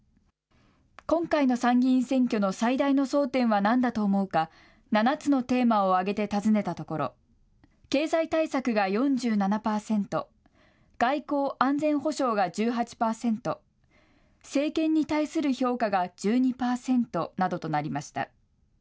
今回の参議院選挙の最大の争点はなんだと思うか、７つのテーマを挙げて尋ねたところ、経済対策が４７％、外交・安全保障が１８％、政権に対する評価が１２％などとなりました。